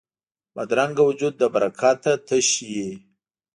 بدرنګه وجود له برکته تش وي